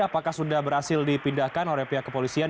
apakah sudah berhasil dipindahkan oleh pihak kepolisian